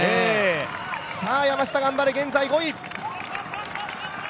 山下頑張れ、現在５位。